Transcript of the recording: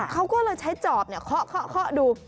เขาก็เลยใช้จอบเคาะดู